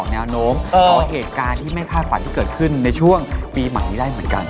เหตุการณ์ที่ไม่ค่าฝันที่เกิดขึ้นในช่วงปีใหม่นี้ได้เหมือนกัน